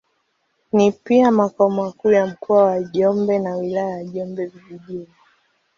Ni pia makao makuu ya Mkoa wa Njombe na Wilaya ya Njombe Vijijini.